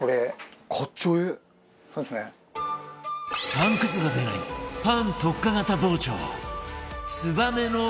パンくずが出ないパン特化型包丁